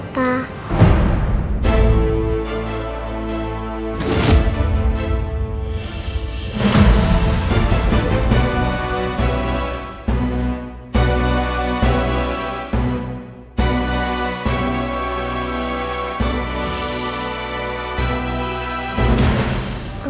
tidak ada yang bisa dikumpulkan